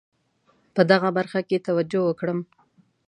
په دغه برخه کې توجه وکړم.